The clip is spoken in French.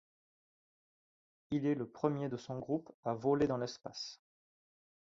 Il est le premier de son groupe à voler dans l'espace.